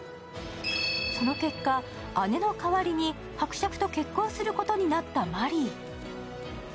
その結果、姉の代わりに伯爵と結婚することになったマリー。